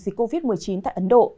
dịch covid một mươi chín tại ấn độ